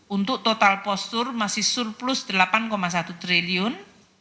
untuk total postur masih surplus rp delapan satu triliun